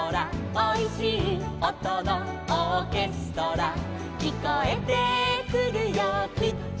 「おいしいおとのオーケストラ」「きこえてくるよキッチンから」